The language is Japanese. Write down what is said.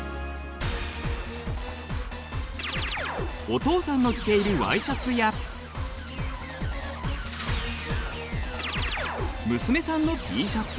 お父さんの着ているワイシャツや娘さんのＴシャツ。